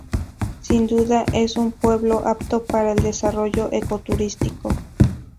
Sin duda, es un pueblo apto para el desarrollo ecoturístico.